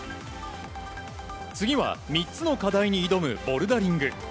次は３つの課題に挑むボルダリング。